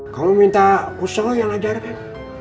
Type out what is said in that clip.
kamu minta usul yang ajarkan